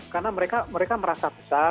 karena mereka merasa besar